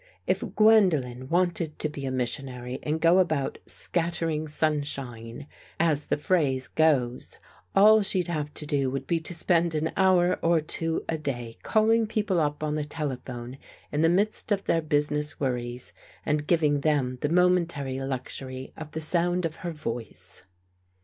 If Gwendolen wanted to be a missionary and go about " scattering sunshine," as the phrase goes, all she'd have to do would be to spend an hour or two a day calling people up on the telephone in the midst of their business worries and giving them the momentary luxury of the sound of her voice.